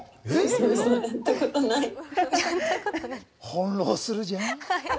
翻弄するじゃん！